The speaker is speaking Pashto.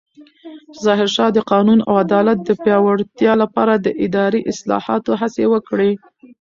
ظاهرشاه د قانون او عدالت د پیاوړتیا لپاره د اداري اصلاحاتو هڅې وکړې.